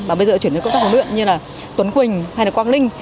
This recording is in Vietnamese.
và bây giờ chuyển đến công tác huyện như tuấn quỳnh hay quang linh